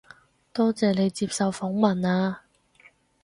多謝你接受訪問啊